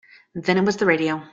Then it was the radio.